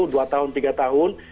dua tahun tiga tahun